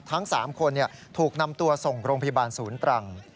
ทั้ง๓คนถูกนำตัวส่งโรงพยาบาลศูนย์ตรัง